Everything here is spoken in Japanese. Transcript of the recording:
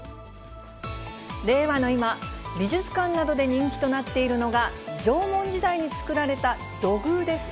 令和の今、美術館などで人気となっているのが、縄文時代に作られた土偶です。